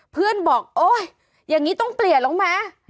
เพื่อนบอกโอ๊ยอย่างนี้ต้องเปลี่ยนแล้วไหม